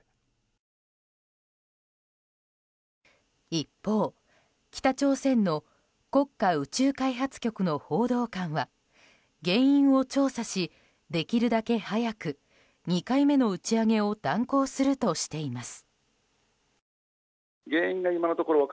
一方、北朝鮮の国家宇宙開発局の報道官は原因を調査し、できるだけ早く２回目の打ち上げを断行するとしています。